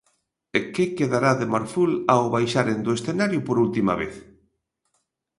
Que quedará de Marful ao baixaren do escenario por última vez?